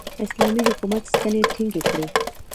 اسلامي حکومت ستنې ټینګې کړې.